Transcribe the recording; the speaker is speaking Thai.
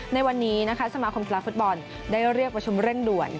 ในวันนี้นะคะสมาคมกีฬาฟุตบอลได้เรียกประชุมเร่งด่วน